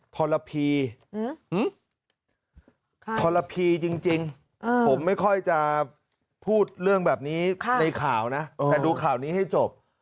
ทรพีทรพีจริงผมไม่ค่อยจะพูดเรื่องแบบนี้ในข่าวนะแต่ดูข่าวนี้ให้จบ